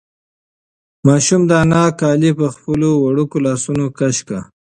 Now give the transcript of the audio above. ماشوم د انا کالي په خپلو وړوکو لاسونو کش کړل.